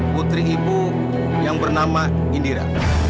putri ibu yang bernama indira